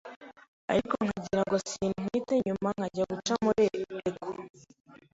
ariko nkagirango sintwite nyuma njya guca muri echo